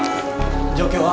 状況は？